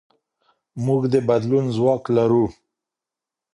موږ د بدلون ځواک لرو.